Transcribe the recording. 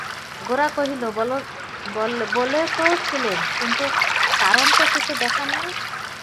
গোরা কহিল, বলে তো ছিলেন, কিন্তু কারণ তো কিছু দেখান নি।